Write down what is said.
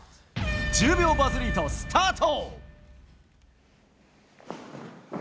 １０秒バズリート、スタート。